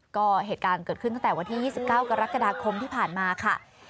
ก็เหตุการณ์เกิดขึ้นตั้งแต่วันที่๒๙กรกฎาคมที่ผ่านมาค่ะ